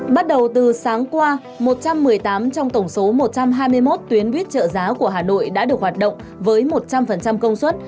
bắt đầu từ sáng qua một trăm một mươi tám trong tổng số một trăm hai mươi một tuyến buýt trợ giá của hà nội đã được hoạt động với một trăm linh công suất